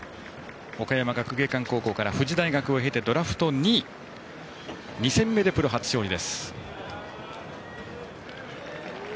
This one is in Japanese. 岡山学芸館高校から富士大学を経てドラフト２位２戦目でプロ初勝利。